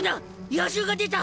野獣が出た！